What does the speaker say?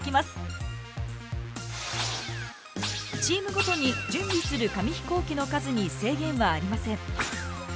チームごとに準備する紙飛行機の数に制限はありません。